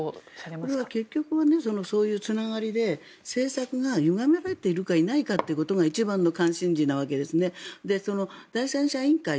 これは結局はそういうつながりで、政策がゆがめられているかいないかということが一番の関心事なわけです。